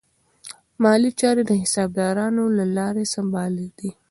مالي چارې د حسابدارانو له لارې سمبالې دي.